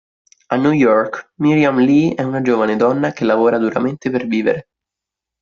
A New York, Miriam Lee è una giovane donna che lavora duramente per vivere.